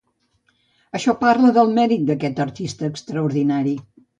Això parla del mèrit d'aquest artista extraordinari.